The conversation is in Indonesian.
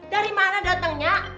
dari mana datengnya